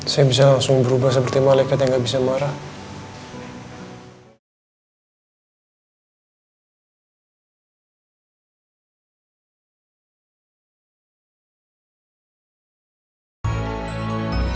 saya bisa langsung berubah seperti malaikat yang nggak bisa marah